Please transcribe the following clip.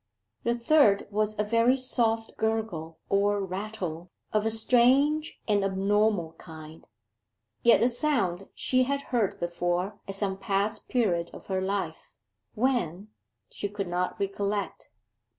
The third was a very soft gurgle or rattle of a strange and abnormal kind yet a sound she had heard before at some past period of her life when, she could not recollect.